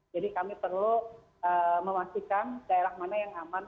jadi kami perlu memastikan daerah mana yang aman